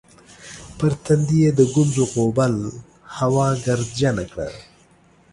پر تندي یې د ګونځو غوبل هوا ګردجنه کړه